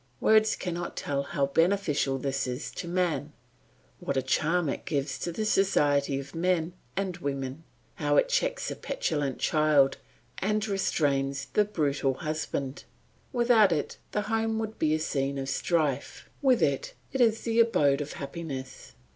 Words cannot tell how beneficial this is to man, what a charm it gives to the society of men and women, how it checks the petulant child and restrains the brutal husband; without it the home would be a scene of strife; with it, it is the abode of happiness.